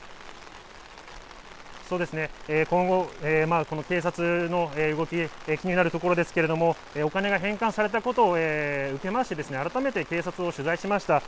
そうですね、今後、この警察の動き、気になるところですけれども、お金が返還されたことを受けまして、改めて警察を取材しました。